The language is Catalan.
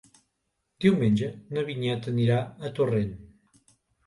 Diumenge na Vinyet anirà a Torrent.